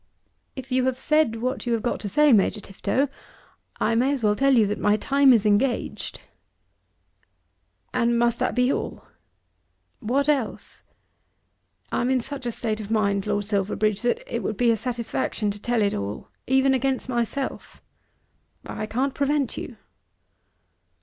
"If you have said what you have got to say, Major Tifto, I may as well tell you that my time is engaged." "And must that be all?" "What else?" "I am in such a state of mind, Lord Silverbridge, that it would be a satisfaction to tell it all, even against myself." "I can't prevent you."